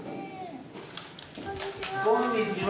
こんにちは。